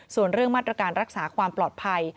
ส่วนเรื่องมาตรการรักษาความปลอดภัย